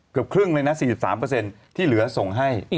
เกือบครึ่งเลยนะ๔๓ที่เหลือส่งให้